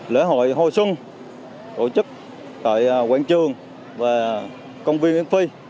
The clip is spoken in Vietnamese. lễ hội hồi xuân tổ chức tại quảng trường và công viên an phi